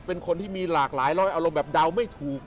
เป็นคนที่มีหลากหลายร้อยอารมณ์แบบเดาไม่ถูก